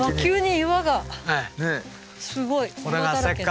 岩だらけ。